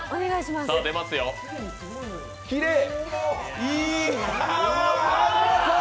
きれい。